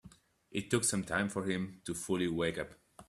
It took some time for him to fully wake up.